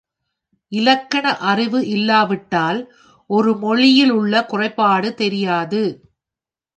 இலக்கண அறிவு இல்லாவிட்டால் ஒரு மொழியிலுள்ள குறைபாடு தெரியாது.